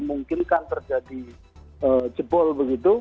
memungkinkan terjadi jebol begitu